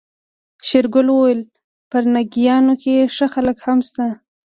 شېرګل وويل پرنګيانو کې ښه خلک هم شته.